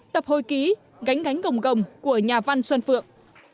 tập hồi ký gánh gánh gồng gồng của nhà văn xuân phượng